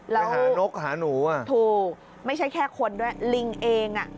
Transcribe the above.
แล้วหานกหาหนูอ่ะถูกไม่ใช่แค่คนด้วยลิงเองอ่ะ